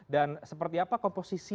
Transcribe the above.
dan seperti apa komposisi